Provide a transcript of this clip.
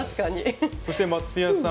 そして松也さん